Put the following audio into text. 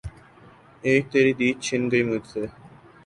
اِک تیری دید چِھن گئی مجھ سے